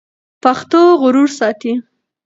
پښتو غرور ساتي.